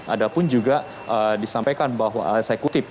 ada pun juga disampaikan bahwa saya kutip